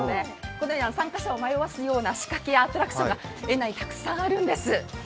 このように参加者を迷わすような仕掛けが園内にたくさんあるんです。